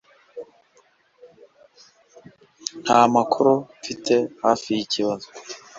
Nta makuru mfite hafi yikibazo